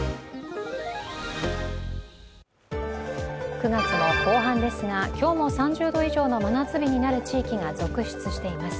９月も後半ですが、今日も３０度以上の真夏日になる地域が続出しています。